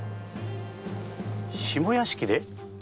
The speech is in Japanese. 下屋敷で？